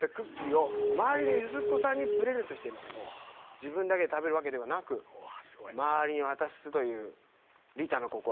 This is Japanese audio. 自分だけで食べるわけではなく周りに渡すという利他の心。